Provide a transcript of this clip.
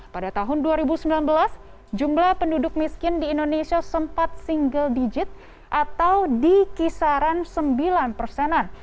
pada tahun dua ribu sembilan belas jumlah penduduk miskin di indonesia sempat single digit atau di kisaran sembilan persenan